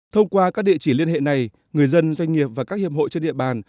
thông qua các địa chỉ liên hệ này người dân doanh nghiệp và các hiệp hội trên địa bàn